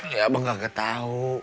iya abang nggak ketau